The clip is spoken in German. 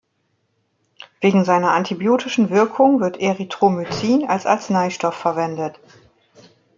Wegen seiner antibiotischen Wirkung wird Erythromycin als Arzneistoff verwendet.